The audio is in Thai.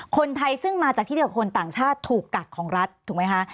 คนไทยซึ่งมาจากที่เดียวกับคนต่างชาติถูกกักของรัฐถูกไหมคะ